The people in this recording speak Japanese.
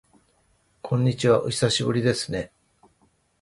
こんにちは、お久しぶりですね。